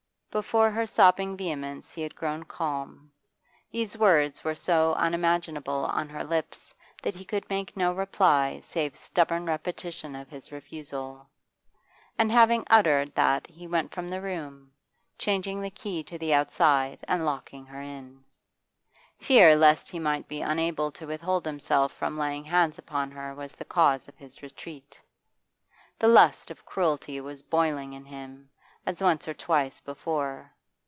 Before her sobbing vehemence he had grown calm. These words were so unimaginable on her lips that he could make no reply save stubborn repetition of his refusal. And having uttered that he went from the room, changing the key to the outside and locking her in. Fear lest he might be unable to withhold himself from laying hands upon her was the cause of his retreat. The lust of cruelty was boiling in him, as once or twice before.